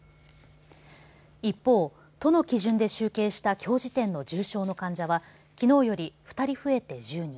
一方、都の基準で集計したきょう時点の重症の患者はきのうより２人増えて１０人。